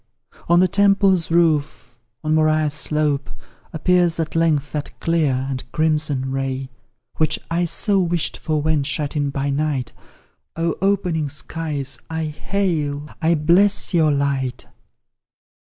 on the Temple's roof on Moriah's slope Appears at length that clear and crimson ray Which I so wished for when shut in by night; Oh, opening skies, I hail, I bless pour light!